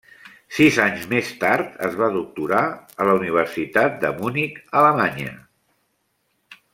Sis anys més tard es va doctorar de la Universitat de Munic, Alemanya.